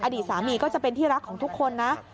อดีตสามีก็จะเป็นที่รักของทุกคนนะ